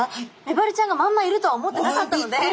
メバルちゃんがまんまいるとは思ってなかったので。